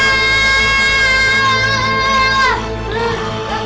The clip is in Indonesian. berarti ada sendiri dong